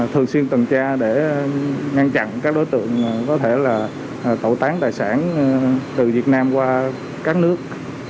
thường xuyên tuần tra để ngăn chặn các đối tượng có thể là tẩu tán tài sản từ việt nam qua các nước